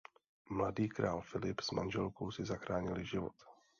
Mladý král Filip s manželkou si zachránili život.